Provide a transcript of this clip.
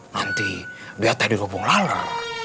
nanti dia tadi lubung laler